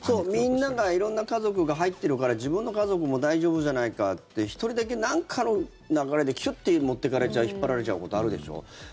みんなが、色んな家族が入ってるから自分の家族も大丈夫じゃないかって１人だけなんかの流れでヒュッと持っていかれちゃう引っ張られちゃうことあるでしょ。